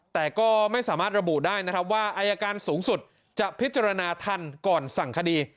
แต่ก็ไม่สามารถระบุได้นะครับว่าอายการสูงสุดจะพิจารณาทันก่อนสั่งคดี